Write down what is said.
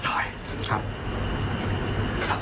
เดมอเปิดเรียกให้ถูก